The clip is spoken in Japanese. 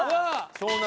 湘南